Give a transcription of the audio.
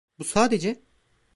Bu sadece...